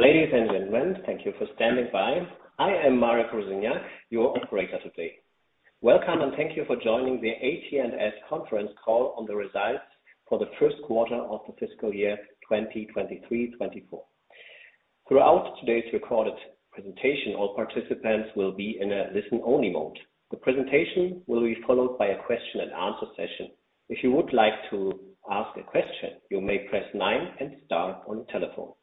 Ladies and gentlemen, thank you for standing by. I am Marek Rozyniak, your operator today. Welcome. Thank you for joining the AT&S conference call on the results for the first quarter of the fiscal year 2023, 2024. Throughout today's recorded presentation, all participants will be in a listen-only mode. The presentation will be followed by a question and answer session. If you would like to ask a question, you may press nine and star on your telephone.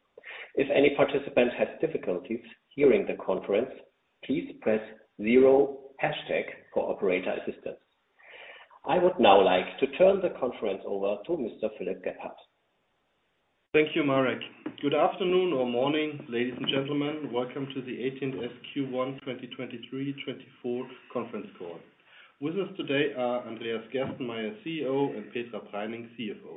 If any participant has difficulties hearing the conference, please press 0 hashtag for operator assistance. I would now like to turn the conference over to Mr. Philipp Gebhardt. Thank you, Marek. Good afternoon or morning, ladies and gentlemen. Welcome to the AT&S Q1 2023, 2024 conference call. With us today are Andreas Gerstenmayer, CEO, and Petra Preining, CFO.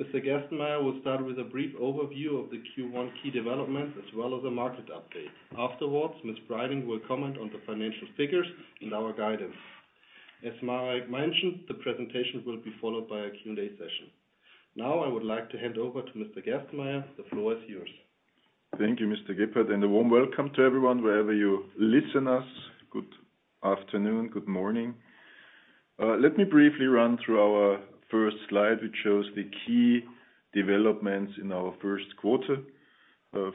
Mr. Gerstenmayer will start with a brief overview of the Q1 key developments, as well as a market update. Afterwards, Ms. Preining will comment on the financial figures and our guidance. As Marek mentioned, the presentation will be followed by a Q&A session. Now, I would like to hand over to Mr. Gerstenmayer. The floor is yours. Thank you, Philipp Gebhardt, and a warm welcome to everyone, wherever you listen us. Good afternoon, good morning. Let me briefly run through our first slide, which shows the key developments in our first quarter.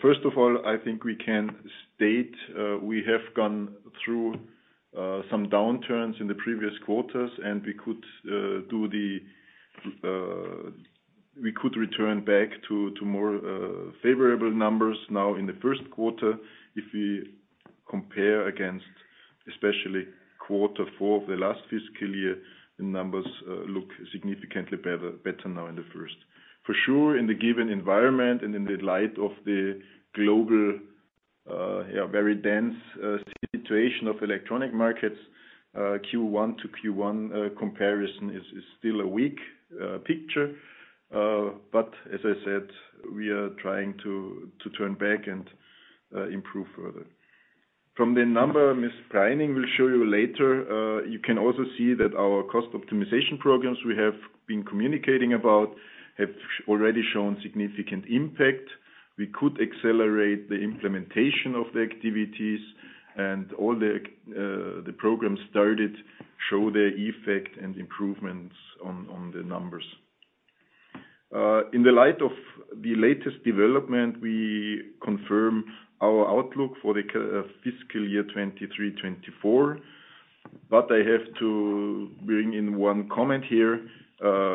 First of all, I think we can state, we have gone through, some downturns in the previous quarters, and we could return back to, to more, favorable numbers now in the first quarter. If we compare against especially quarter four of the last fiscal year, the numbers, look significantly better, better now in the first. For sure, in the given environment and in the light of the global, yeah, very dense, situation of electronic markets, Q1 to Q1, comparison is, is still a weak, picture. As I said, we are trying to, to turn back and improve further. From the number Ms. Preining will show you later, you can also see that our cost optimization programs we have been communicating about have already shown significant impact. We could accelerate the implementation of the activities, and all the program started show the effect and improvements on, on the numbers. In the light of the latest development, we confirm our outlook for the fiscal year 2023, 2024. I have to bring in one comment here.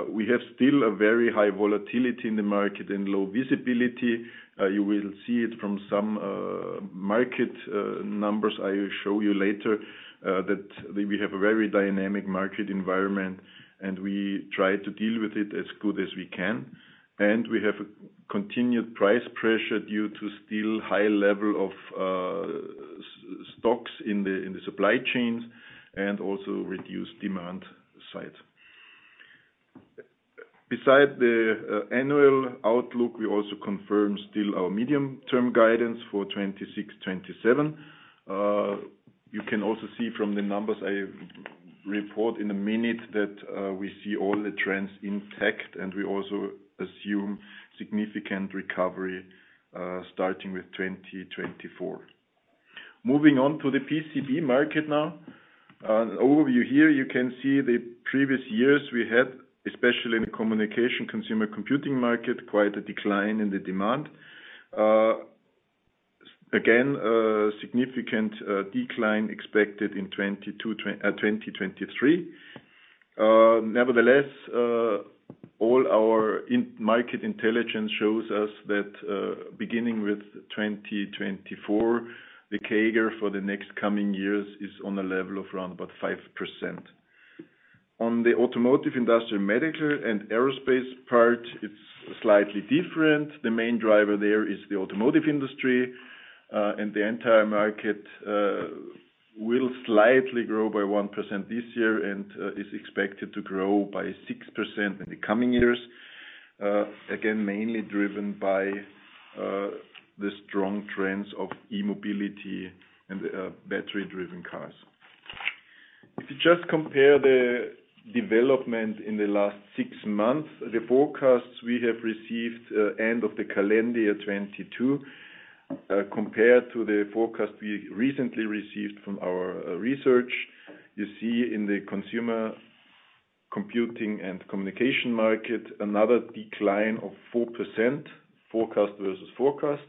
We have still a very high volatility in the market and low visibility. You will see it from some market numbers I will show you later that we have a very dynamic market environment, and we try to deal with it as good as we can. We have a continued price pressure due to still high level of stocks in the supply chains, and also reduced demand side. Beside the annual outlook, we also confirm still our medium-term guidance for 2026, 2027. You can also see from the numbers I report in a minute that we see all the trends intact, and we also assume significant recovery starting with 2024. Moving on to the PCB market now. An overview here, you can see the previous years we had, especially in the communication consumer computing market, quite a decline in the demand. Again, a significant decline expected in 2022, 2023. Nevertheless, all our in-market intelligence shows us that, beginning with 2024, the CAGR for the next coming years is on a level of around about 5%. On the automotive, industrial, medical, and aerospace part, it's slightly different. The main driver there is the automotive industry, and the entire market will slightly grow by 1% this year and is expected to grow by 6% in the coming years. Again, mainly driven by the strong trends of e-mobility and battery-driven cars. If you just compare the development in the last six months, the forecasts we have received end of the calendar year 2022, compared to the forecast we recently received from our research. You see in the consumer computing and communication market, another decline of 4%, forecast versus forecast.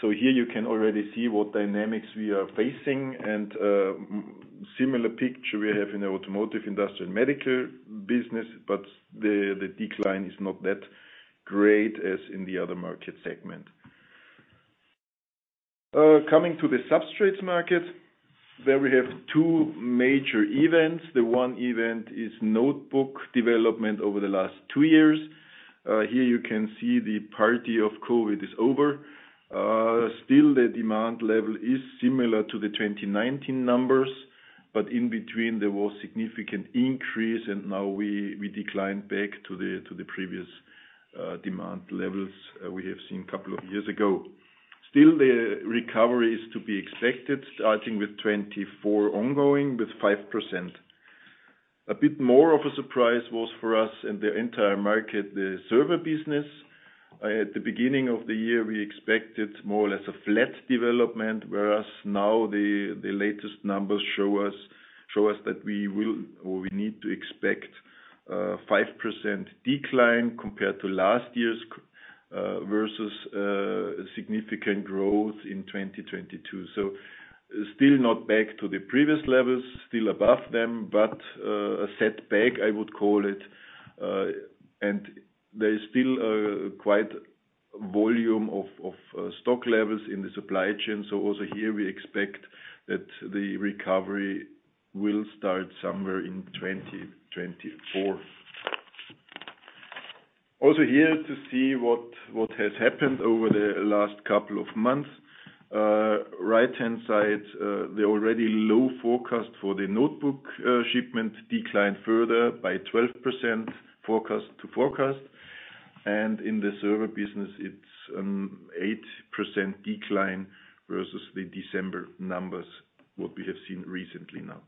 Here you can already see what dynamics we are facing, and similar picture we have in the automotive, industrial, medical business, but the, the decline is not that great as in the other market segment. Coming to the substrates market, there we have two major events. The one event is notebook development over the last two years. Here you can see the party of COVID is over. Still the demand level is similar to the 2019 numbers, but in between, there was significant increase, and now we, we declined back to the, to the previous demand levels we have seen couple of years ago. Still, the recovery is to be expected, starting with 2024 ongoing, with 5% CAGR. A bit more of a surprise was for us in the entire market, the server business. At the beginning of the year, we expected more or less a flat development, whereas now the, the latest numbers show us, show us that we will, or we need to expect, 5% decline compared to last year's, versus, significant growth in 2022. Still not back to the previous levels, still above them, but, a set back, I would call it. There is still, quite volume of, of, stock levels in the supply chain. Also here, we expect that the recovery will start somewhere in 2024. Also here to see what, what has happened over the last couple of months. Right-hand side, the already low forecast for the notebook shipment declined further by 12% forecast to forecast. In the server business, it's 8% decline versus the December numbers, what we have seen recently now.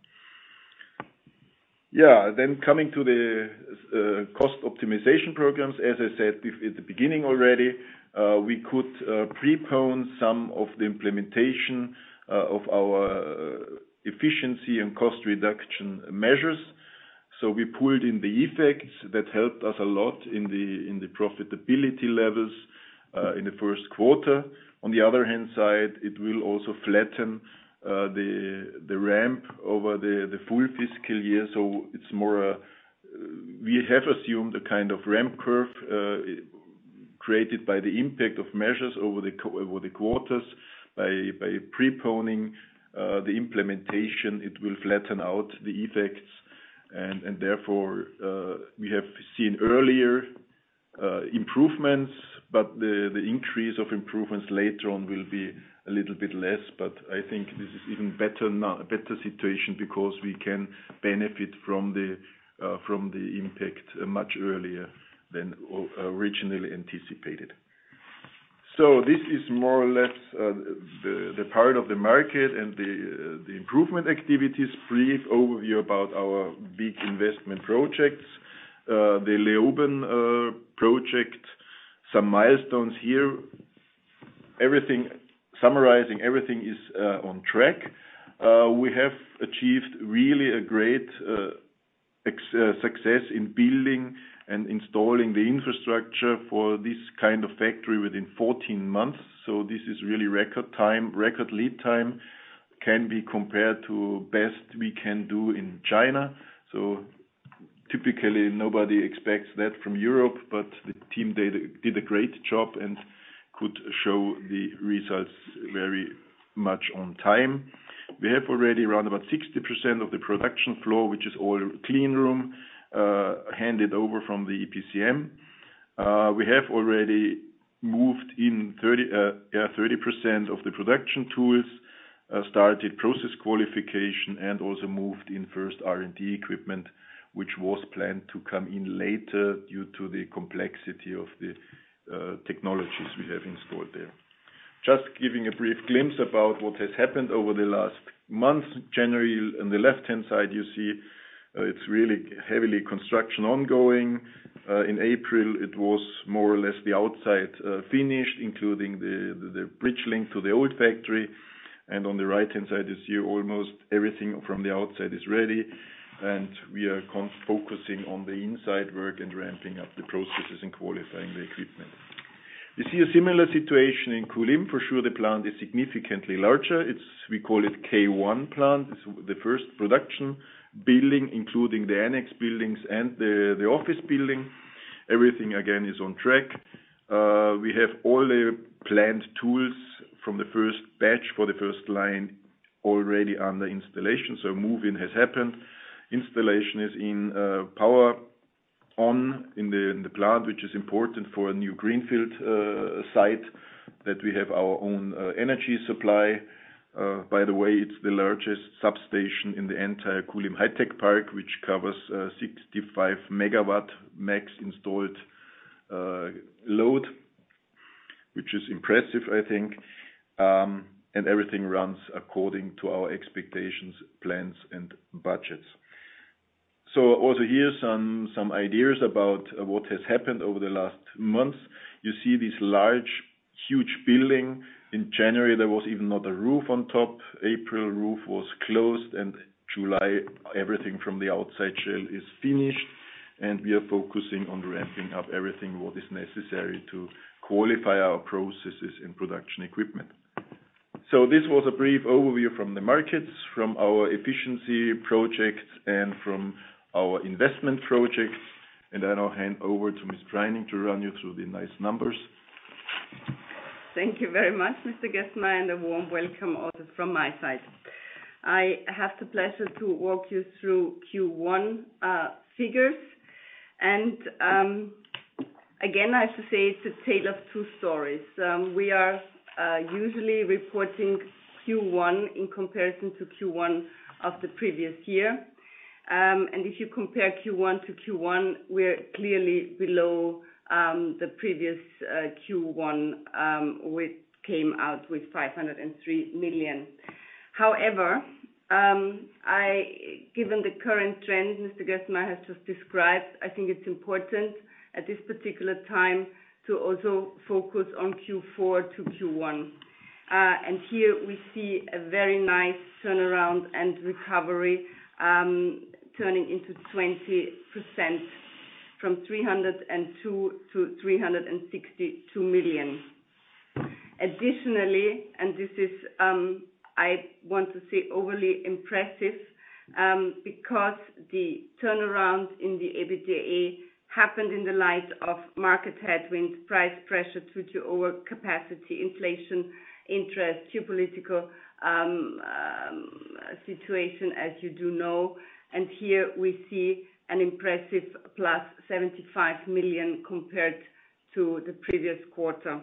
Coming to the cost optimization programs, as I said at the beginning already, we could prepone some of the implementation of our efficiency and cost reduction measures. We pulled in the effects that helped us a lot in the profitability levels in the first quarter. On the other hand side, it will also flatten the ramp over the full fiscal year. It's more, we have assumed a kind of ramp curve created by the impact of measures over the quarters. By, by preponing the implementation, it will flatten out the effects, therefore, we have seen earlier improvements, the increase of improvements later on will be a little bit less. I think this is even better now, a better situation because we can benefit from the impact much earlier than originally anticipated. This is more or less the part of the market and the improvement activities. Brief overview about our big investment projects, the Leoben project, some milestones here. Summarizing, everything is on track. We have achieved really a great success in building and installing the infrastructure for this kind of factory within 14 months. This is really record time. Record lead time, can be compared to best we can do in China. Typically, nobody expects that from Europe, but the team, they did a great job and could show the results very much on time. We have already around about 60% of the production floor, which is all clean room, handed over from the EPCM. We have already moved in 30% of the production tools, started process qualification, and also moved in first R&D equipment, which was planned to come in later due to the complexity of the technologies we have installed there. Just giving a brief glimpse about what has happened over the last month. January, on the left-hand side, you see, it's really heavily construction ongoing. In April, it was more or less the outside finished, including the bridge link to the old factory. On the right-hand side, you see almost everything from the outside is ready, and we are focusing on the inside work and ramping up the processes and qualifying the equipment. You see a similar situation in Kulim. For sure, the plant is significantly larger. It's, we call it K1 plant. It's the first production building, including the annex buildings and the, the office building. Everything, again, is on track. We have all the planned tools from the first batch for the first line already on the installation, so move-in has happened. Installation is in power on in the plant, which is important for a new greenfield site, that we have our own energy supply. By the way, it's the largest substation in the entire Kulim HiTech Park, which covers 65 MW max installed load, which is impressive, I think. Everything runs according to our expectations, plans, and budgets. Also here, some, some ideas about what has happened over the last months. You see this large, huge building. In January, there was even not a roof on top. April, roof was closed, and July, everything from the outside shell is finished, and we are focusing on ramping up everything what is necessary to qualify our processes and production equipment. This was a brief overview from the markets, from our efficiency projects, and from our investment projects. I'll hand over to Petra Preining to run you through the nice numbers. Thank you very much, Mr. Gerstenmayer, and a warm welcome also from my side. I have the pleasure to walk you through Q1 figures. Again, I have to say, it's a tale of two stories. We are usually reporting Q1 in comparison to Q1 of the previous year. If you compare Q1 to Q1, we're clearly below the previous Q1, which came out with 503 million. However, given the current trends Mr. Gerstenmayer has just described, I think it's important at this particular time to also focus on Q4 to Q1. Here we see a very nice turnaround and recovery, turning into 20%, from 302 to 362 million. Additionally, this is, I want to say, overly impressive, because the turnaround in the EBITDA happened in the light of market headwinds, price pressure, future overcapacity, inflation, interest, geopolitical, situation, as you do know, here we see an impressive plus 75 million compared to the previous quarter.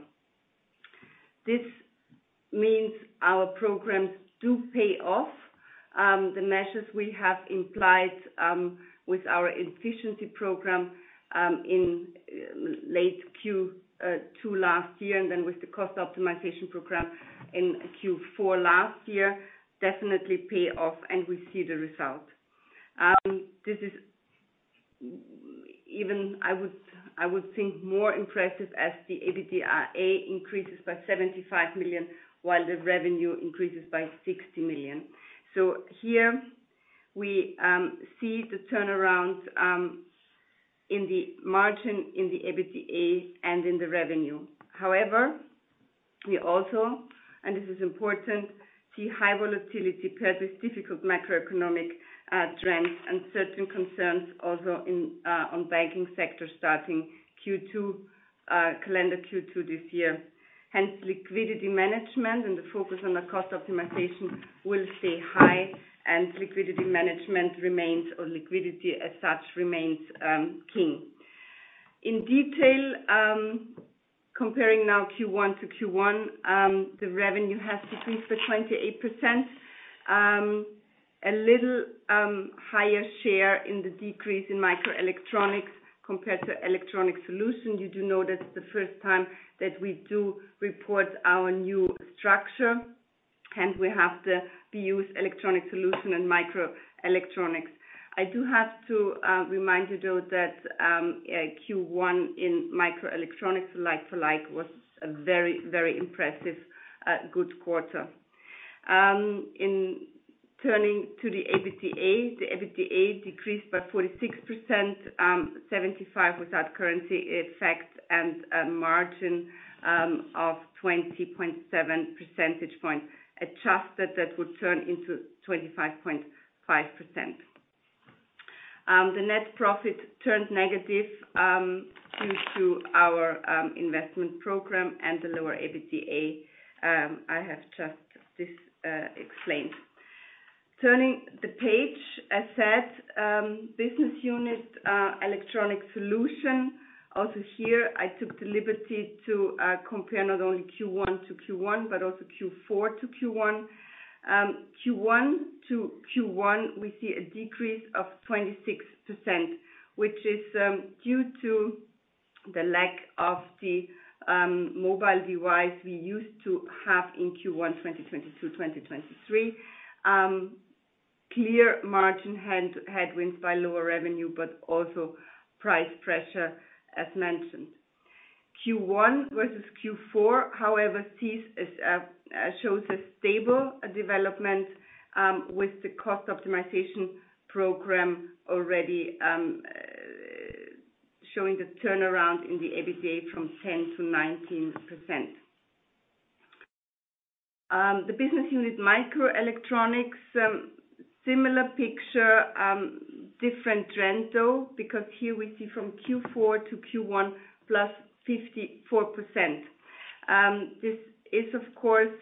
This means our programs do pay off. The measures we have implied, with our efficiency program, in late Q2 last year, and then with the cost optimization program in Q4 last year, definitely pay off, and we see the result. This is even, I would, I would think, more impressive as the EBITDA increases by 75 million, while the revenue increases by 60 million. Here we see the turnaround, in the margin, in the EBITDA and in the revenue. We also, and this is important, see high volatility plus this difficult macroeconomic trends and certain concerns also in on banking sector, starting Q2, calendar Q2 this year. Liquidity management and the focus on the cost optimization will stay high, and liquidity management remains, or liquidity as such, remains king. In detail, comparing now Q1 to Q1, the revenue has decreased by 28%, a little higher share in the decrease in Microelectronics compared to Electronics Solutions. You do know that's the first time that we do report our new structure, we have the BU's Electronics Solutions and Microelectronics. I do have to remind you, though, that Q1 in Microelectronics, like for like, was a very, very impressive good quarter. In turning to the EBITDA, the EBITDA decreased by 46%, 75 without currency effects and a margin of 20.7 percentage points. Adjusted, that would turn into 25.5%. The net profit turned negative due to our investment program and the lower EBITDA I have just explained. Turning the page, I said, business unit Electronics Solutions. Also here, I took the liberty to compare not only Q1 to Q1, but also Q4 to Q1. Q1 to Q1, we see a decrease of 26%, which is due to the lack of the mobile device we used to have in Q1, 2022, 2023. Clear margin head, headwinds by lower revenue, but also price pressure as mentioned. Q1 versus Q4, however, shows a stable development, with the cost optimization program already showing the turnaround in the EBITDA from 10%-19%. The business unit, Microelectronics, similar picture, different trend, though, because here we see from Q4 to Q1, plus 54%. This is of course,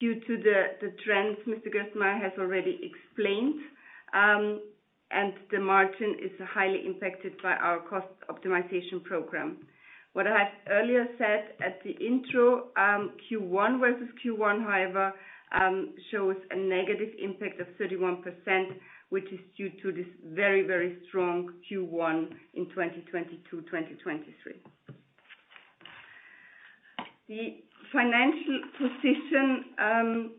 due to the trends Mr. Gerstenmayer has already explained, and the margin is highly impacted by our cost optimization program. What I have earlier said at the intro, Q1 versus Q1, however, shows a negative impact of 31%, which is due to this very, very strong Q1 in 2022, 2023. The financial position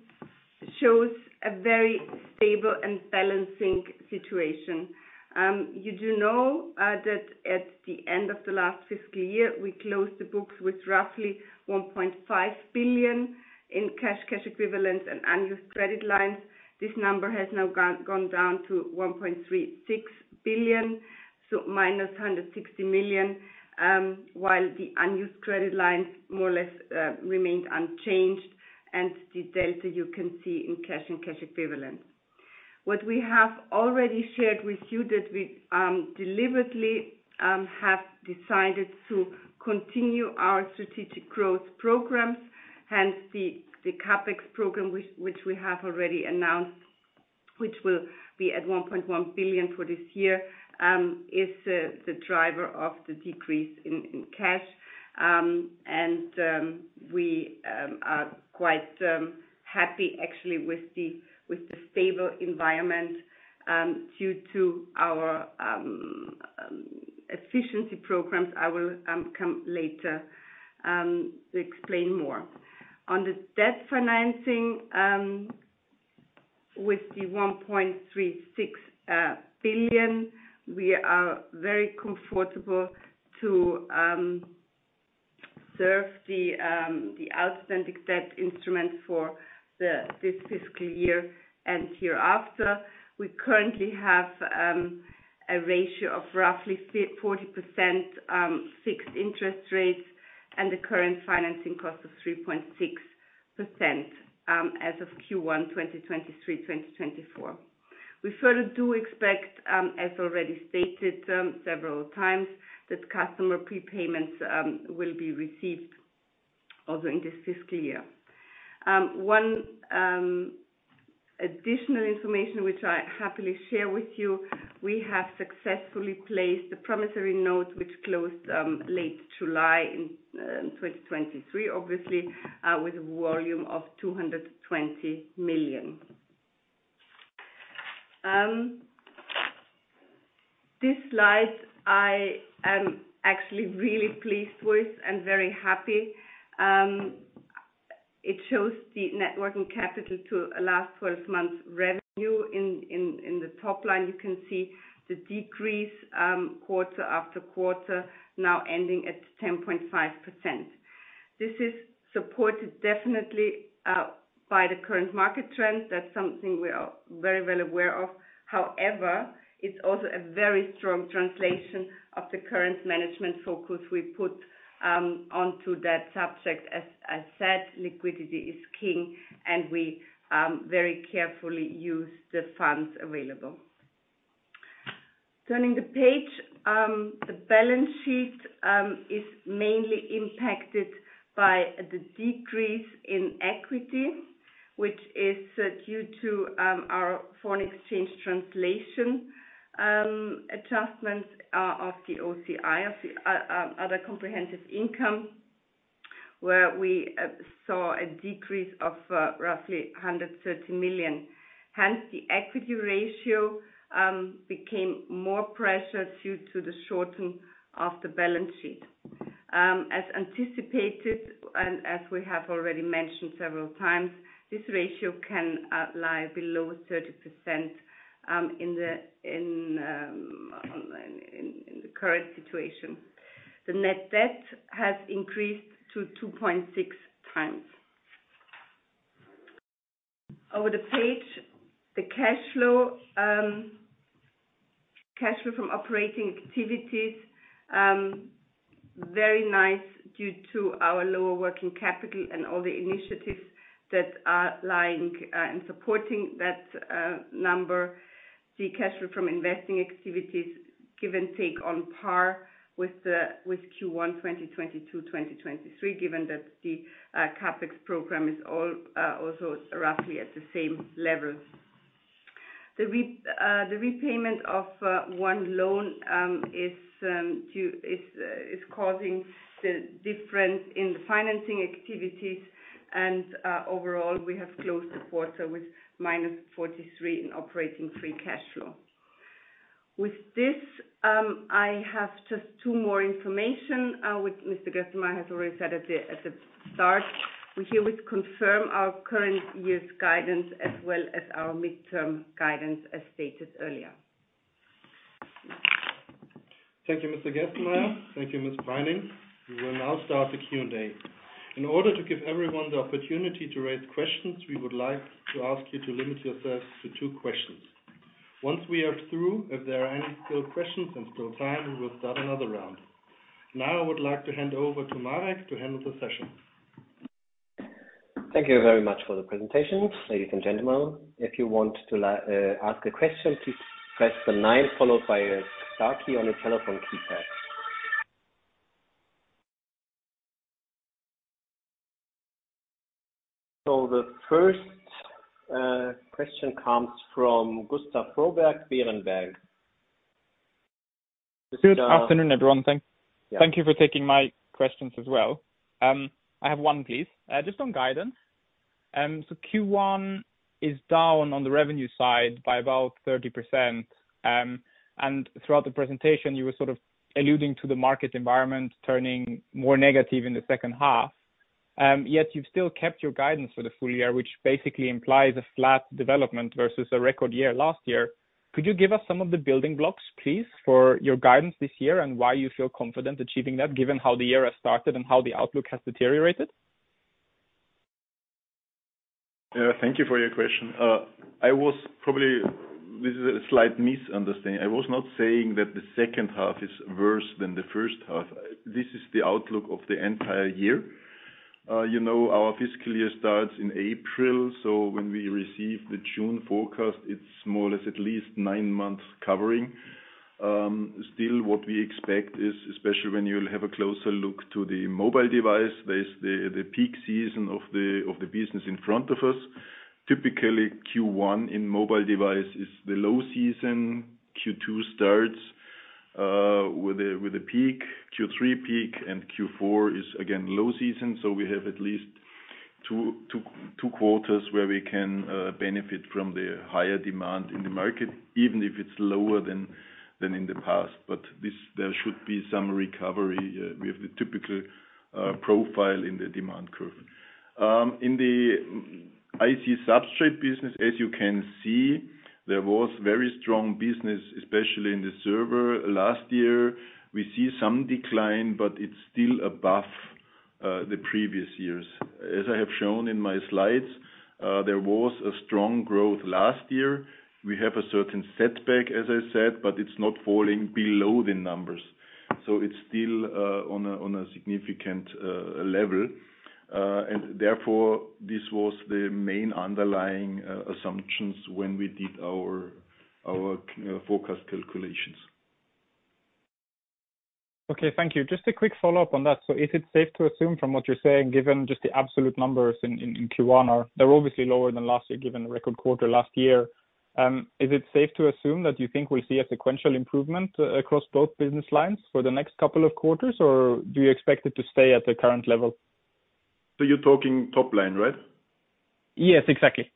shows a very stable and balancing situation. You do know that at the end of the last fiscal year, we closed the books with roughly 1.5 billion in cash, cash equivalents, and unused credit lines. This number has now gone, gone down to 1.36 billion, so minus 160 million, while the unused credit lines more or less remained unchanged, and the delta you can see in cash and cash equivalents. What we have already shared with you, that we deliberately have decided to continue our strategic growth programs, hence the, the CapEx program, which, which we have already announced, which will be at 1.1 billion for this year, is the, the driver of the decrease in, in cash. We are quite happy actually with the, with the stable environment due to our. efficiency programs, I will come later to explain more. On the debt financing, with the 1.36 billion, we are very comfortable to serve the outstanding debt instrument for this fiscal year and hereafter. We currently have a ratio of roughly 40% fixed interest rates and the current financing cost of 3.6% as of Q1 2023/2024. We further do expect as already stated several times, that customer prepayments will be received also in this fiscal year. One additional information, which I happily share with you, we have successfully placed the promissory note, which closed late July in 2023, obviously, with a volume of 220 million. This slide I am actually really pleased with and very happy. It shows the net working capital to a last 12 months revenue. In, in, in the top line, you can see the decrease, quarter after quarter, now ending at 10.5%. This is supported definitely by the current market trend. That's something we are very well aware of. However, it's also a very strong translation of the current management focus we put onto that subject. As I said, liquidity is king, and we very carefully use the funds available. Turning the page, the balance sheet is mainly impacted by the decrease in equity, which is due to our foreign exchange translation adjustments, of the OCI, of other comprehensive income, where we saw a decrease of roughly 130 million. Hence, the equity ratio became more pressured due to the shorten of the balance sheet. As anticipated, and as we have already mentioned several times, this ratio can lie below 30% in the current situation. The net debt has increased to 2.6x. Over the page, cash flow from operating activities, very nice due to our lower working capital and all the initiatives that are lying and supporting that number. The cash flow from investing activities, give and take on par with Q1 2022/2023, given that the CapEx program is all also roughly at the same level. The repayment of one loan is to is is causing the difference in the financing activities. Overall, we have closed the quarter with -43 in operating free cash flow. With this, I have just two more information, which Mr. Gerstenmayer has already said at the at the start. We herewith confirm our current year's guidance, as well as our midterm guidance, as stated earlier. Thank you, Mr. Gerstenmayer. Thank you, Ms. Preining. We will now start the Q&A. In order to give everyone the opportunity to raise questions, we would like to ask you to limit yourselves to two questions. Once we are through, if there are any still questions and still time, we will start another round. I would like to hand over to Marek to handle the session. Thank you very much for the presentation. Ladies and gentlemen, if you want to ask a question, please press the nine followed by a star key on your telephone keypad. The first question comes from Gustav Froberg, Berenberg. Good afternoon, everyone. Thank- Yeah. Thank you for taking my questions as well. I have one, please. Just on guidance. So Q1 is down on the revenue side by about 30%. Throughout the presentation, you were sort of alluding to the market environment turning more negative in the second half. Yet you've still kept your guidance for the full year, which basically implies a flat development versus a record year, last year. Could you give us some of the building blocks, please, for your guidance this year? Why you feel confident achieving that, given how the year has started and how the outlook has deteriorated? Thank you for your question. I was probably... This is a slight misunderstanding. I was not saying that the second half is worse than the first half. This is the outlook of the entire year. You know, our fiscal year starts in April, so when we receive the June forecast, it's more or less at least nine months covering. Still, what we expect is, especially when you'll have a closer look to the mobile device, there's the, the peak season of the, of the business in front of us. Typically, Q1 in mobile device is the low season. Q2 starts with a peak. Q3, peak, and Q4 is again, low season. So we have at least-... two, two quarters where we can benefit from the higher demand in the market, even if it's lower than, than in the past. This, there should be some recovery, with the typical profile in the demand curve. In the IC substrate business, as you can see, there was very strong business, especially in the server. Last year, we see some decline, but it's still above the previous years. As I have shown in my slides, there was a strong growth last year. We have a certain setback, as I said, but it's not falling below the numbers. It's still on a significant level. Therefore, this was the main underlying assumptions when we did our forecast calculations. Okay, thank you. Just a quick follow-up on that. Is it safe to assume, from what you're saying, given just the absolute numbers in Q1. They're obviously lower than last year, given the record quarter last year. Is it safe to assume that you think we'll see a sequential improvement across both business lines for the next couple of quarters, or do you expect it to stay at the current level? You're talking top line, right? Yes, exactly.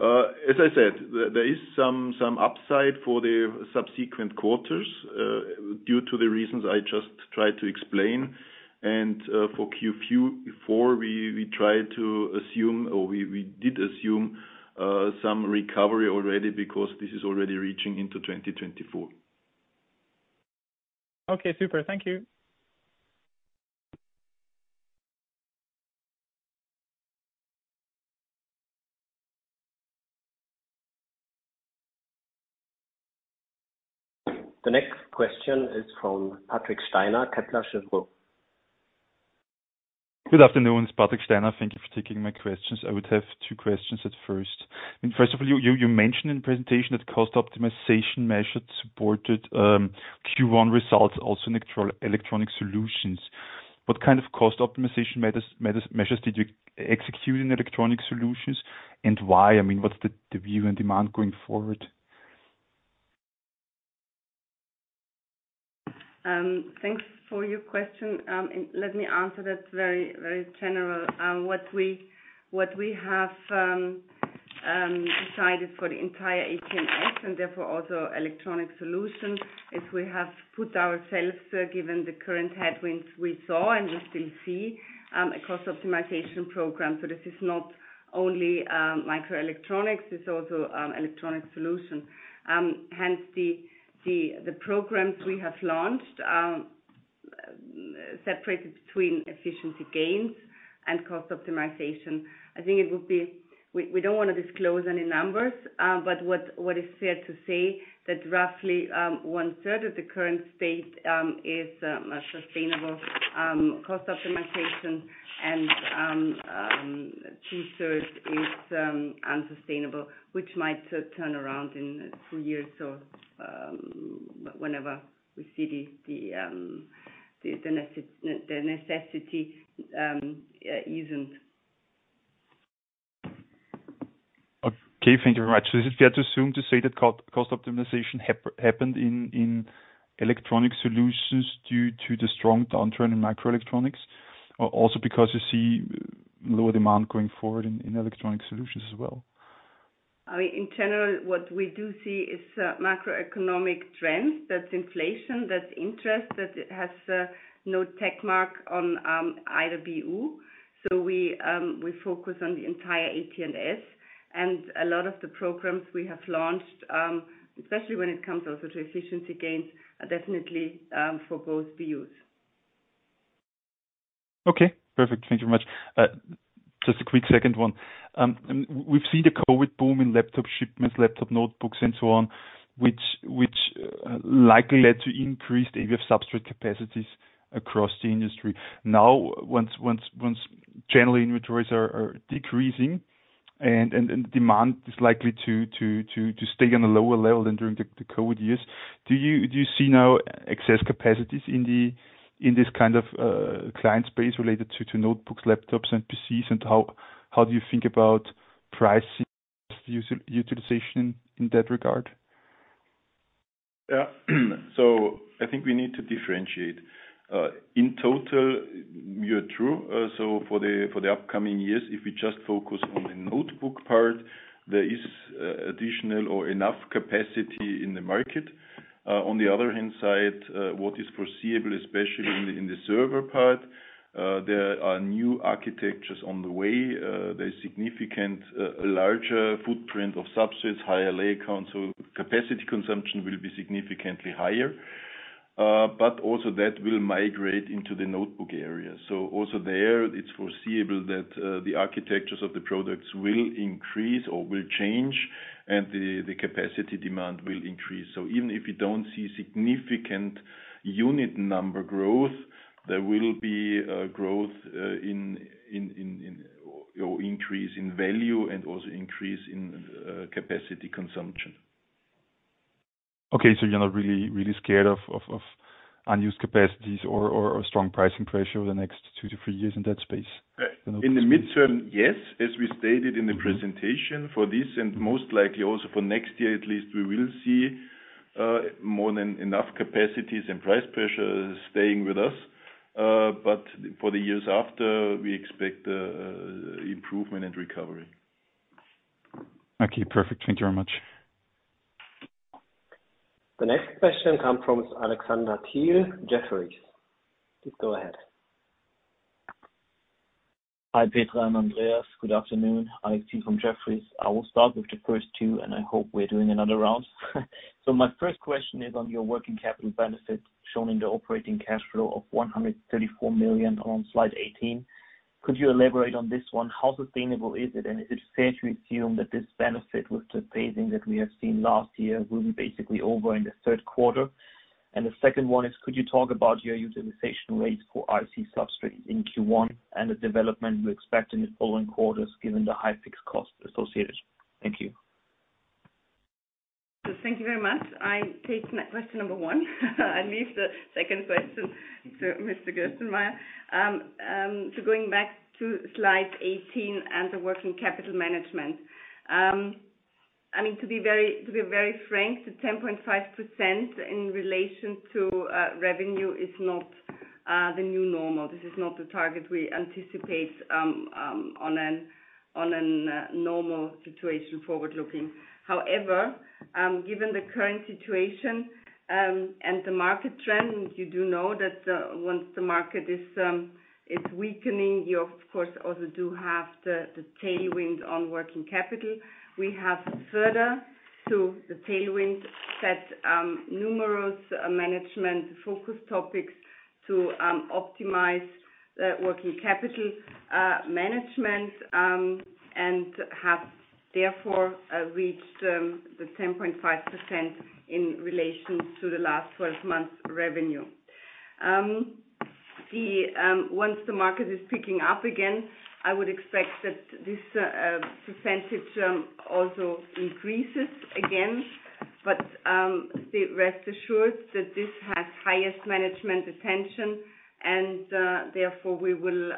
As I said, there, there is some, some upside for the subsequent quarters, due to the reasons I just tried to explain. For Q4, we, we tried to assume, or we, we did assume, some recovery already because this is already reaching into 2024. Okay, super. Thank you. The next question is from Patrick Steiner, Kepler Cheuvreux. Good afternoon, it's Patrick Steiner. Thank you for taking my questions. I would have two questions at first. First of all, you, you, you mentioned in the presentation that cost optimization measures supported Q1 results, also Electronics Solutions. what kind of cost optimization measures did you execute Electronics Solutions, and why? I mean, what's the, the view and demand going forward? Thanks for your question. Let me answer that very, very general. What we, what we have decided for the entire AT&S, and therefore also Electronics Solutions, is we have put ourselves given the current headwinds we saw, and we still see, a cost optimization program. So this is not only Microelectronics, it's also Electronics Solutions. Hence the programs we have launched, separated between efficiency gains and cost optimization. I think it would be. We don't want to disclose any numbers, but what is fair to say, that roughly one third of the current state is a sustainable cost optimization, and two-thirds is unsustainable, which might turn around in two years or whenever we see the necessity isn't. Okay, thank you very much. Is it fair to assume, to say that cost, cost optimization happened in, Electronics Solutions due to the strong downturn in Microelectronics, also because you see lower demand going forward in, Electronics Solutions as well? I mean, in general, what we do see is, macroeconomic trends. That's inflation, that's interest, that has no tech mark on either BU. We focus on the entire AT&S, and a lot of the programs we have launched, especially when it comes also to efficiency gains, are definitely for both BUs. Okay, perfect. Thank you very much. Just a quick second one. We've seen the COVID boom in laptop shipments, laptop notebooks, and so on, which likely led to increased ABF substrate capacities across the industry. Now, once general inventories are decreasing and demand is likely to stay on a lower level than during the COVID years, do you see now excess capacities in this kind of client space related to notebooks, laptops, and PCs? How do you think about pricing utilization in that regard? Yeah. I think we need to differentiate. In total, you are true. For the, for the upcoming years, if we just focus on the notebook part, there is additional or enough capacity in the market. On the other hand side, what is foreseeable, especially in the, in the server part, there are new architectures on the way. There's significant, larger footprint of substrates, higher layer count, so capacity consumption will be significantly higher. Also that will migrate into the notebook area. Also there, it's foreseeable that the architectures of the products will increase or will change, and the, the capacity demand will increase. Even if you don't see significant unit number growth, there will be a growth, or increase in value and also increase in, capacity consumption. Okay, you're not really, really scared of, of, of unused capacities or, or strong pricing pressure over the next two to three years in that space? In the midterm, yes, as we stated in the presentation for this, and most likely also for next year, at least, we will see more than enough capacities and price pressure is staying with us. For the years after, we expect improvement and recovery. Okay, perfect. Thank you very much. The next question come from Alexander Thiel, Jefferies. Please go ahead. Hi, Petra and Andreas, good afternoon. Alex Thiel from Jefferies. I will start with the first two. I hope we're doing another round. My first question is on your working capital benefit, shown in the operating cash flow of 134 million on slide 18. Could you elaborate on this one? How sustainable is it? Is it fair to assume that this benefit, with the phasing that we have seen last year, will be basically over in the third quarter? The second one is, could you talk about your utilization rate for IC substrates in Q1, and the development you expect in the following quarters, given the high fixed costs associated? Thank you. Thank you very much. I take that question number one. I leave the second question to Mr. Gerstenmayer. Going back to slide 18 and the working capital management. I mean, to be very, to be very frank, the 10.5% in relation to revenue is not the new normal. This is not the target we anticipate on an, on an normal situation forward-looking. However, given the current situation, and the market trend, you do know that once the market is weakening, you of course, also do have the, the tailwind on working capital. We have further to the tailwind set, numerous management focus topics to optimize the working capital management. Have, therefore, reached the 10.5% in relation to the last 12 months revenue. Once the market is picking up again, I would expect that this % also increases again. Rest assured that this has highest management attention, and therefore, we will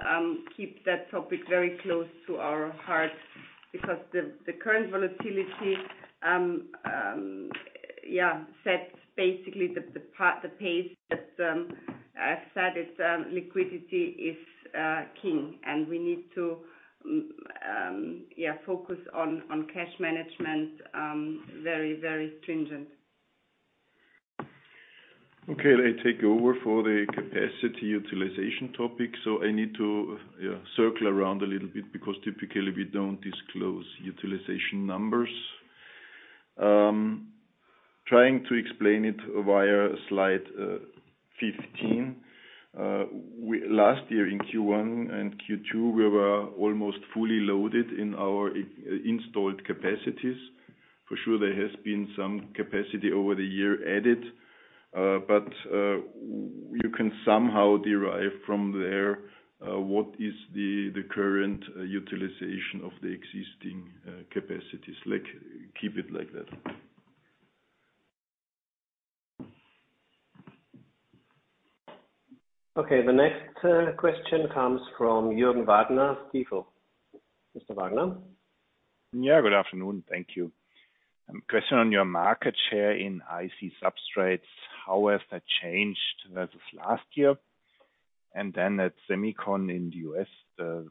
keep that topic very close to our heart. The current volatility sets basically the pace that I've said it, liquidity is king, and we need to focus on cash management very, very stringent. Okay, let me take over for the capacity utilization topic. I need to, yeah, circle around a little bit, because typically, we don't disclose utilization numbers. Trying to explain it via slide 15. Last year in Q1 and Q2, we were almost fully loaded in our installed capacities. For sure, there has been some capacity over the year added, but you can somehow derive from there what is the current utilization of the existing capacities. Like, keep it like that. Okay, the next question comes from Jürgen Wagner, DFO. Mr. Wagner? Yeah, good afternoon. Thank you. Question on your market share in IC substrates, how has that changed as of last year? Then at SEMICON in the U.S., there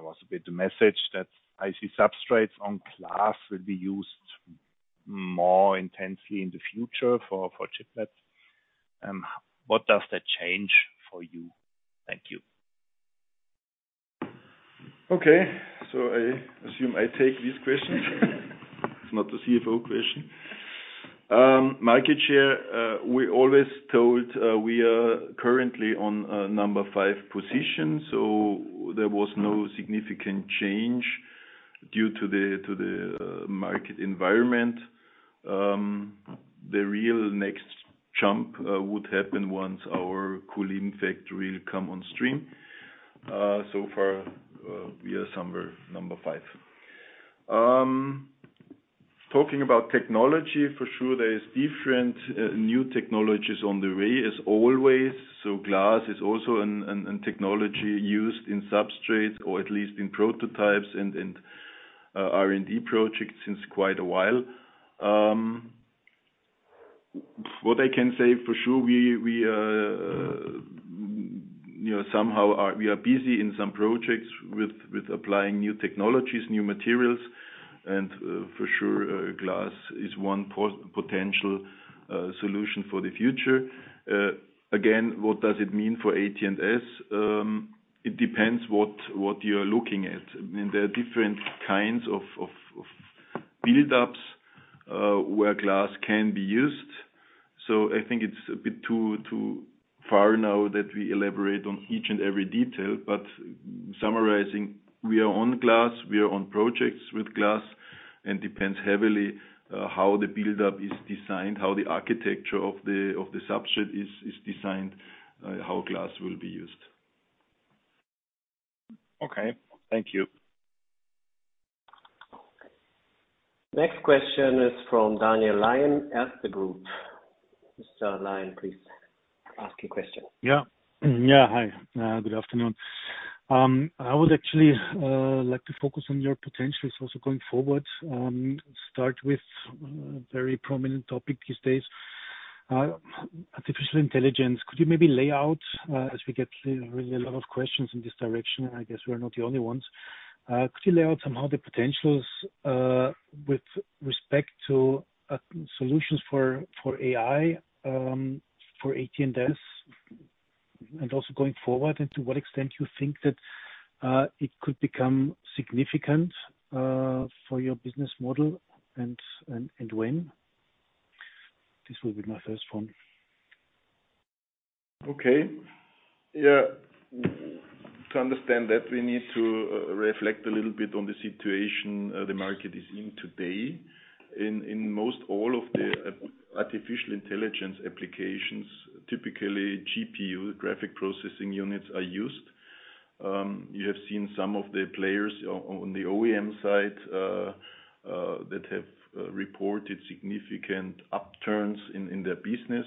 was a bit a message that IC substrates on glass will be used more intensely in the future for, for chiplets. What does that change for you? Thank you. Okay, I assume I take these questions. It's not the CFO question. Market share, we always told, we are currently on number five position, so there was no significant change due to the market environment. The real next jump would happen once our Kulim factory come on stream. So far, we are somewhere number five. Talking about technology, for sure, there is different new technologies on the way, as always. Glass is also an technology used in substrates, or at least in prototypes and R&D projects since quite a while. What I can say for sure, we, we, you know, somehow we are busy in some projects with, with applying new technologies, new materials, and for sure, glass is one potential solution for the future. Again, what does it mean for AT&S? It depends what, what you are looking at. I mean, there are different kinds of, of, of build-ups, where glass can be used. I think it's a bit too, too far now that we elaborate on each and every detail. Summarizing, we are on glass, we are on projects with glass, and depends heavily, how the build-up is designed, how the architecture of the, of the substrate is, is designed, how glass will be used. Okay. Thank you. Next question is from Daniel Lion, Erste Group. Mr. Lion, please. ask a question. Yeah. Yeah, hi. Good afternoon. I would actually like to focus on your potential source of going forward. Start with a very prominent topic these days, artificial intelligence. Could you maybe lay out, as we get really a lot of questions in this direction, I guess we are not the only ones. Could you lay out somehow the potentials with respect to solutions for AI for AT&S, and also going forward, and to what extent you think that it could become significant for your business model and, and, and when? This will be my first one. Okay. Yeah. To understand that, we need to reflect a little bit on the situation, the market is in today. In, in most all of the artificial intelligence applications, typically GPU, graphic processing units, are used. You have seen some of the players on, on the OEM side that have reported significant upturns in, in their business.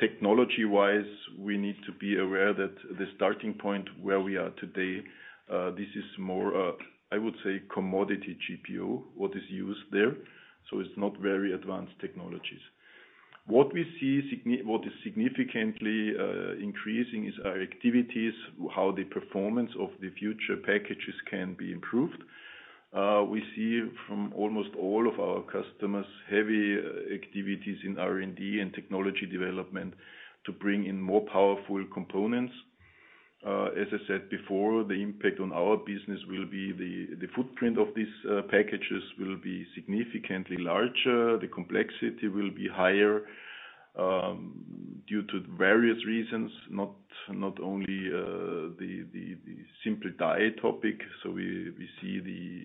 Technology-wise, we need to be aware that the starting point where we are today, this is more, I would say, commodity GPU, what is used there, so it's not very advanced technologies. What is significantly increasing is our activities, how the performance of the future packages can be improved. We see from almost all of our customers, heavy activities in R&D and technology development to bring in more powerful components. As I said before, the impact on our business will be the, the footprint of these packages will be significantly larger. The complexity will be higher due to various reasons, not, not only the, the, the simple die topic. We, we see the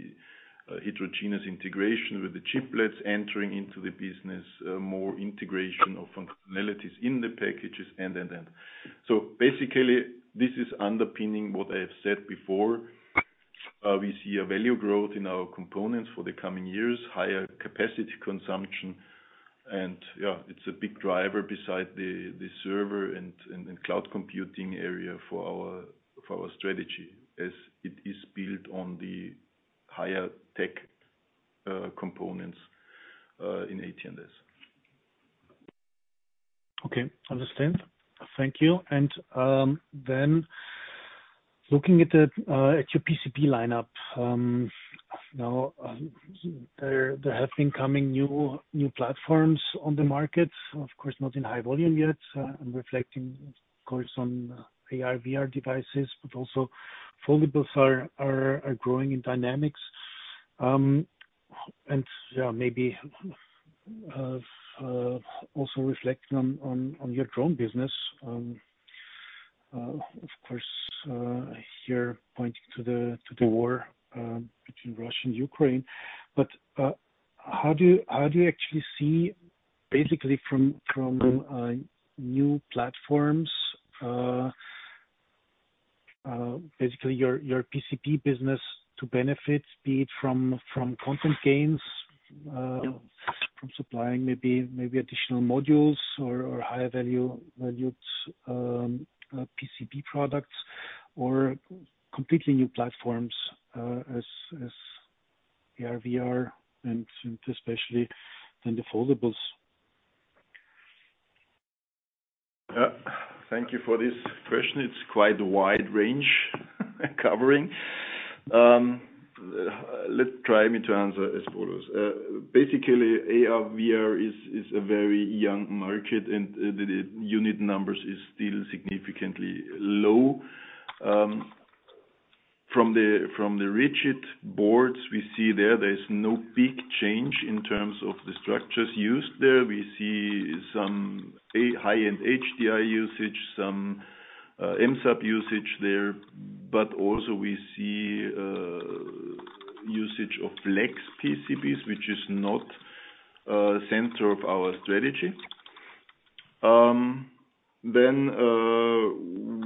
heterogeneous integration with the chiplets entering into the business, more integration of functionalities in the packages, and, and, and. Basically, this is underpinning what I have said before. We see a value growth in our components for the coming years, higher capacity consumption, and, yeah, it's a big driver beside the, the server and, and cloud computing area for our, for our strategy, as it is built on the higher tech components in AT&S. Okay, understand. Thank you. Then looking at the at your PCB lineup, now, there there have been coming new, new platforms on the market. Of course, not in high volume yet, and reflecting, of course, on AR/VR devices, but also foldables are, are, are growing in dynamics. And, yeah, maybe also reflecting on, on, on your drone business, of course, here pointing to the to the war between Russia and Ukraine. How do you, how do you actually see basically from, from new platforms, basically your, your PCB business to benefit, be it from, from content gains, from supplying maybe, maybe additional modules or, or higher value, valued, PCB products, or completely new platforms, as as AR/VR and especially in the foldables? Thank you for this question. It's quite a wide range, covering. Let's try me to answer as follows. Basically, AR/VR is, is a very young market, and the unit numbers is still significantly low. From the, from the rigid boards we see there, there is no big change in terms of the structures used there. We see some, a high-end HDI usage, some MSAP usage there, but also we see usage of flex PCBs, which is not center of our strategy. Then,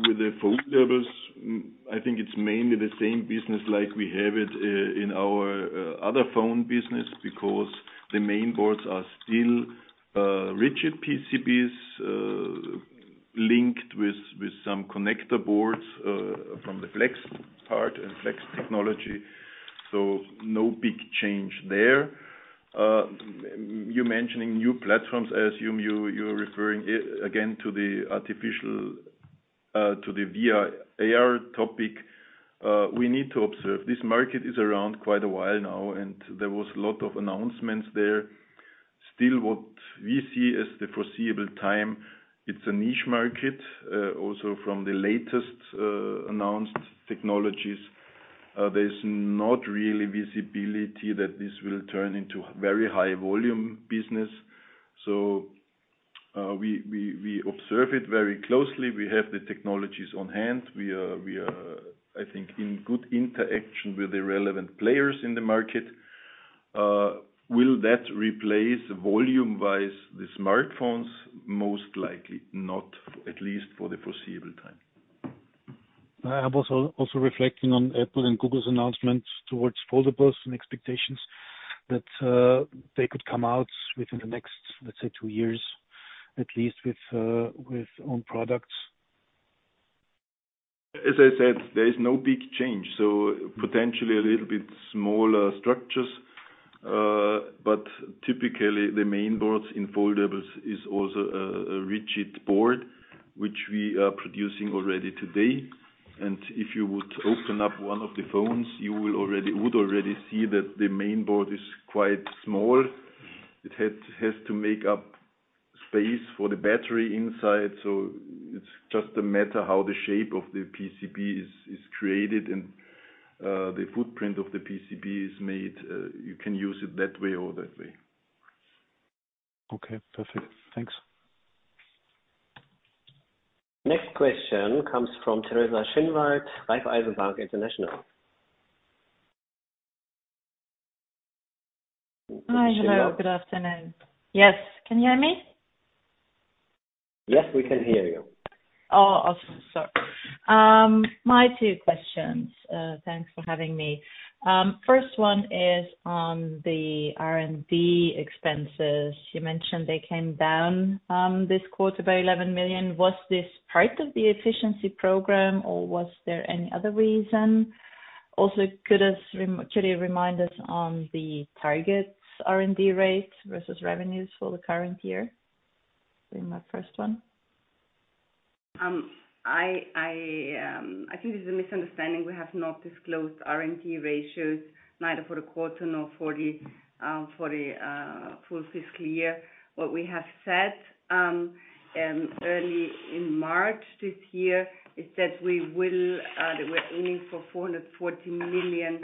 with the foldables, I think it's mainly the same business like we have it in our other phone business, because the main boards are still rigid PCBs, linked with, with some connector boards, from the flex part and flex technology, so no big change there. platforms, I assume you're referring again to the AR/VR topic. We need to observe. This market is around quite a while now, and there was a lot of announcements there. Still, what we see as the foreseeable time, it's a niche market. Also from the latest announced technologies, there's not really visibility that this will turn into very high volume business. We observe it very closely. We have the technologies on hand. We are, I think, in good interaction with the relevant players in the market. Will that replace volume-wise, the smartphones? Most likely not, at least for the foreseeable time ... I have also, also reflecting on Apple and Google's announcements towards foldables and expectations that they could come out within the next, let's say, two years, at least with, with own products. I said, there is no big change, so potentially a little bit smaller structures. Typically the main boards in foldables is also a, a rigid board, which we are producing already today. If you would open up one of the phones, you would already see that the main board is quite small. It has, has to make up space for the battery inside, so it's just a matter how the shape of the PCB is, is created, and, the footprint of the PCB is made. You can use it that way or that way. Okay, perfect. Thanks. Next question comes from Teresa Schinwald, Raiffeisen Bank International. Hi. Hello. Good afternoon. Yes. Can you hear me? Yes, we can hear you. My two questions. Thanks for having me. First one is on the R&D expenses. You mentioned they came down this quarter by 11 million. Was this part of the efficiency program, or was there any other reason? Could you remind us on the targets R&D rates versus revenues for the current year? In my first one. I think this is a misunderstanding. We have not disclosed R&D ratios, neither for the quarter nor for the full fiscal year. What we have said early in March this year, is that we will that we're aiming for 440 million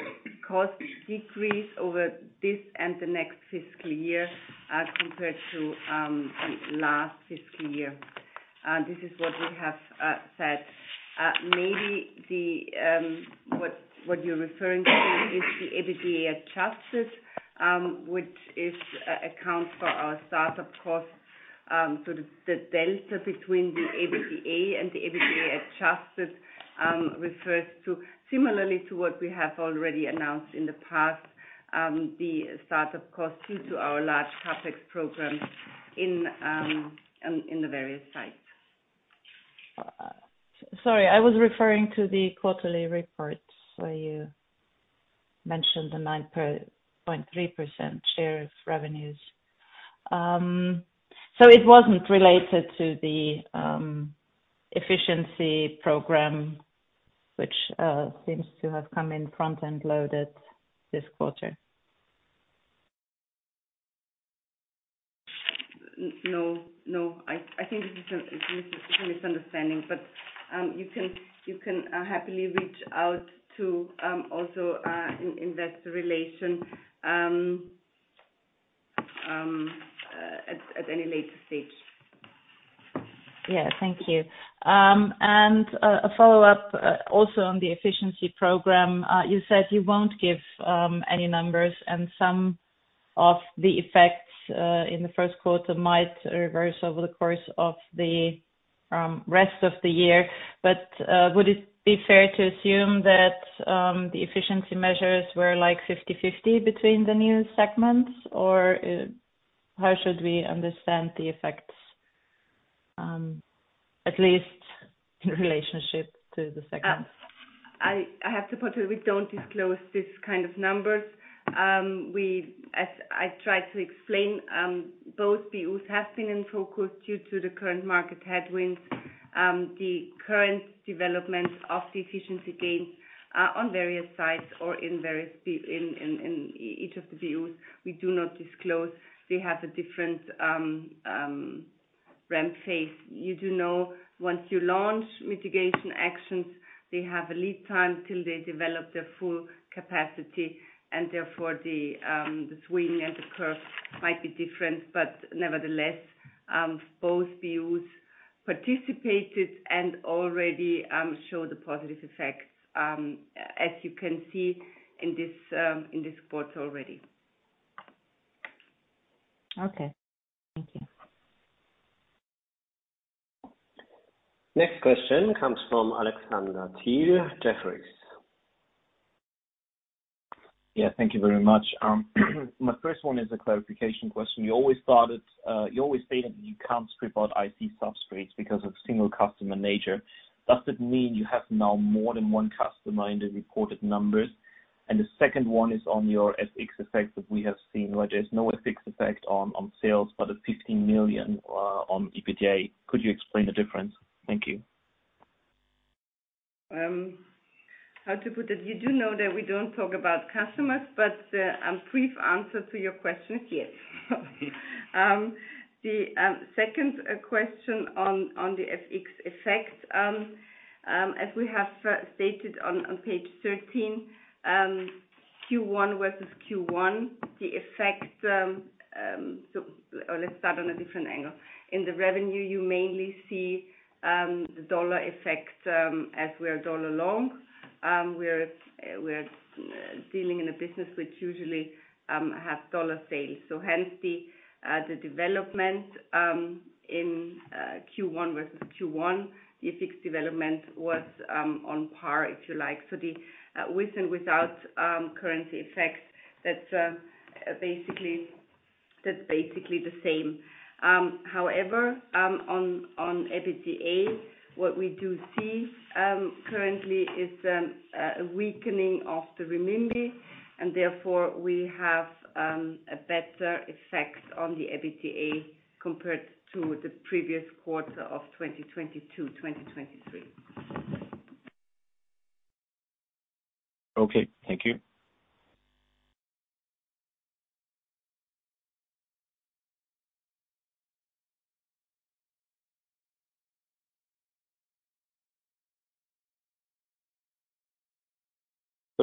cost decrease over this and the next fiscal year, as compared to last fiscal year. This is what we have said. Maybe what you're referring to is the EBITDA adjusted, which accounts for our start-up costs. So the delta between the EBITDA and the EBITDA adjusted refers to similarly to what we have already announced in the past, the start-up costs due to our large CapEx programs in the various sites. Sorry, I was referring to the quarterly reports, where you mentioned the 9.3% share of revenues. So it wasn't related to the efficiency program, which seems to have come in front and loaded this quarter? No, no. I, I think this is a, it's a misunderstanding, but, you can, you can, happily reach out to, also, investor relation, at, at any later stage. Yeah. Thank you. And a follow-up also on the efficiency program. You said you won't give any numbers, and some of the effects in the first quarter might reverse over the course of the rest of the year. Would it be fair to assume that the efficiency measures were like 50/50 between the new segments? How should we understand the effects at least in relationship to the segments? I, I have to put it, we don't disclose this kind of numbers. As I tried to explain, both BUs have been in focus due to the current market headwinds. The current development of the efficiency gains on various sites or in various in in in each of the BUs, we do not disclose. They have a different ramp phase. You do know, once you launch mitigation actions, they have a lead time till they develop their full capacity, and therefore the swing and the curve might be different. Nevertheless, both BUs participated and already show the positive effects, as you can see in this in this quarter already. Okay, thank you. Next question comes from Alexander Thiel, Jefferies. Yeah, thank you very much. My first one is a clarification question. You always thought it, you always stated that you can't strip out IC substrates because of single customer nature. Does it mean you have now more than one customer in the reported numbers? The second one is on your FX effect that we have seen, where there's no FX effect on, on sales, but 15 million on EBITDA. Could you explain the difference? Thank you. t? You do know that we don't talk about customers, but a brief answer to your question is yes. The second question on the FX effect, as we have stated on page 13, Q1 versus Q1, the effect, or let's start on a different angle. In the revenue, you mainly see the dollar effect, as we are dollar long. We're dealing in a business which usually has dollar sales. So hence the development in Q1 versus Q1, the fixed development was on par, if you like. So the with and without currency effects, that's basically, that's basically the same. However, on EBITDA, what we do see currently is a weakening of the renminbi, and therefore we have a better effect on the EBITDA compared to the previous quarter of 2022, 2023. Okay, thank you.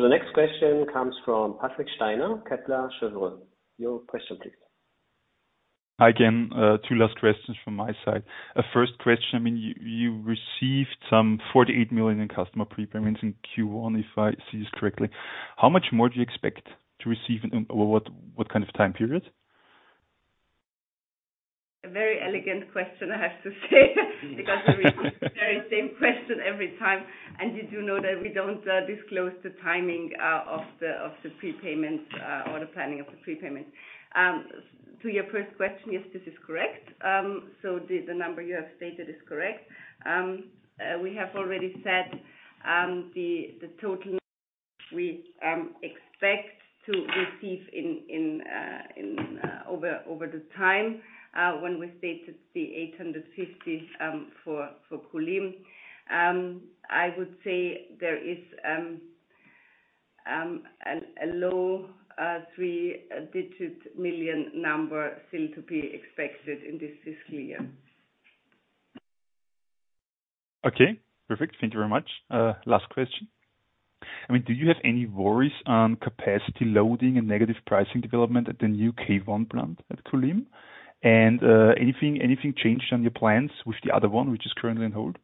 The next question comes from Patrick Steiner, Kepler Cheuvreux. Your question, please. Hi, again. Two last questions from my side. First question, I mean, you, you received some 48 million in customer prepayments in Q1, if I see this correctly. How much more do you expect to receive, and, over what, what kind of time period? A very elegant question, I have to say, because we get the very same question every time. You do know that we don't disclose the timing of the prepayment or the planning of the prepayment. To your first question, yes, this is correct. The number you have stated is correct. We have already said the total we expect to receive over the time when we stated 850 million for Kulim. I would say there is a low EUR 3-digit million number still to be expected in this fiscal year. Okay, perfect. Thank you very much. Last question. I mean, do you have any worries on capacity loading and negative pricing development at the new K-One plant at Kulim? Anything, anything changed on your plans with the other one, which is currently on hold?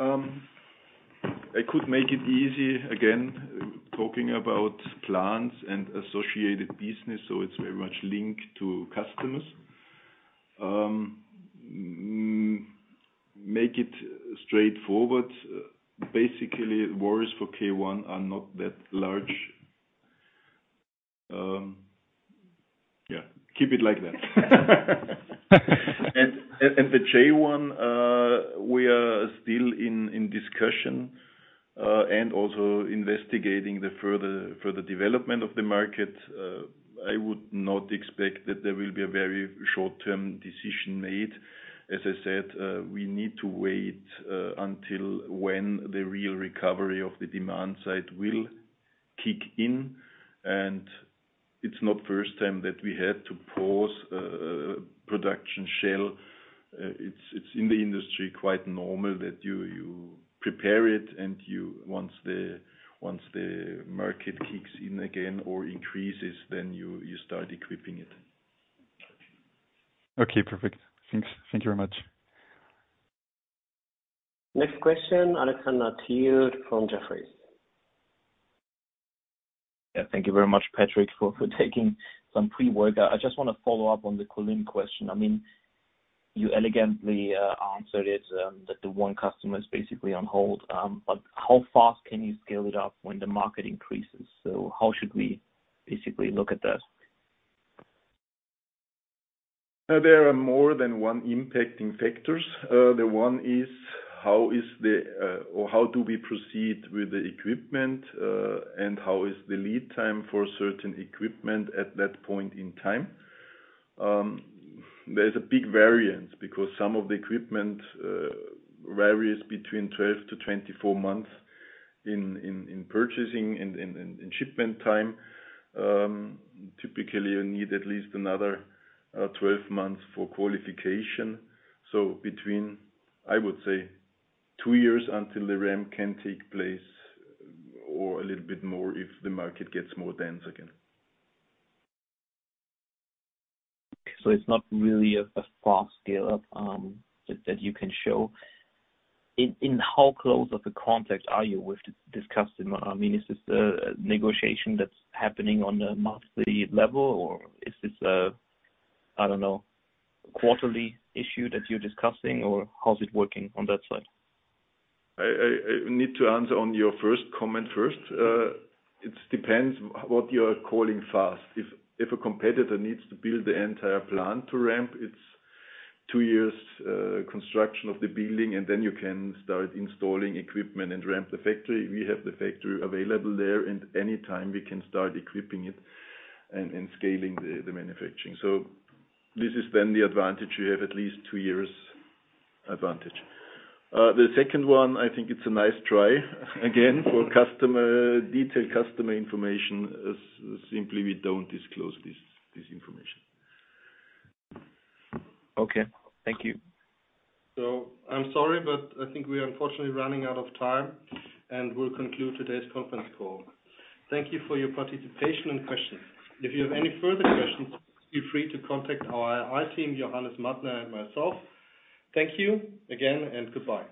I could make it easy, again, talking about plans and associated business, so it's very much linked to customers. Make it straightforward. Basically, worries for K-One are not that large. Yeah, keep it like that. The J-One, we are still in discussion and also investigating the further, further development of the market. I would not expect that there will be a very short-term decision made. As I said, we need to wait until when the real recovery of the demand side will kick in, and it's not first time that we had to pause production schedule. It's, it's in the industry quite normal that you, you prepare it, and once the, once the market kicks in again or increases, then you, you start equipping it. Okay, perfect. Thanks. Thank you very much. Next question, Alexander Thiel from Jefferies. Yeah, thank you very much, Patrick, for, for taking some pre-work out. I just want to follow up on the Kulim question. I mean, you elegantly answered it, that the one customer is basically on hold. How fast can you scale it up when the market increases? How should we basically look at that? There are more than one impacting factors. The one is, how is the, or how do we proceed with the equipment, and how is the lead time for certain equipment at that point in time? There's a big variance, because some of the equipment, varies between 12 to 24 months in, in, in purchasing and, and, and, and shipment time. Typically, you need at least another, 12 months for qualification. Between, I would say, two years until the ramp can take place, or a little bit more, if the market gets more dense again. It's not really a, a fast scale up, that, that you can show. In how close of a contact are you with this customer? I mean, is this a negotiation that's happening on a monthly level, or is this I don't know, quarterly issue that you're discussing, or how is it working on that side? I, I, I need to answer on your first comment first. It depends what you are calling fast. If, if a competitor needs to build the entire plant to ramp, it's two years, construction of the building, and then you can start installing equipment and ramp the factory. We have the factory available there, and any time we can start equipping it and, and scaling the, the manufacturing. This is then the advantage. We have at least two years advantage. The second one, I think it's a nice try, again, for customer detailed customer information, simply we don't disclose this, this information. Okay, thank you. I'm sorry, but I think we are unfortunately running out of time, and we'll conclude today's conference call. Thank you for your participation and questions. If you have any further questions, feel free to contact our IR team, Johannes Mattner and myself. Thank you again, and goodbye.